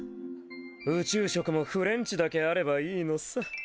宇宙食もフレンチだけあればいいのさ。